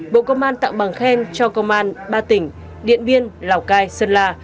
bộ công an tặng bằng khen cho công an ba tỉnh điện biên lào cai sơn la